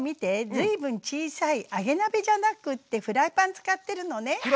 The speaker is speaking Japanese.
随分小さい揚げ鍋じゃなくってフライパン使ってるのね。